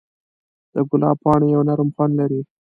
د ګلاب پاڼې یو نرم خوند لري.